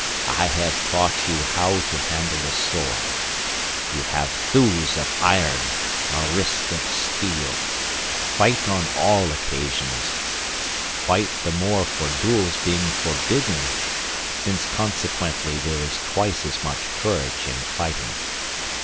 I have taught you how to handle a sword; you have thews of iron, a wrist of steel. Fight on all occasions. Fight the more for duels being forbidden, since consequently there is twice as much courage in fighting.